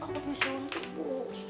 terus aku penyelenggara ibu